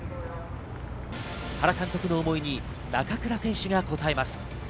原監督の思いに中倉選手が応えます。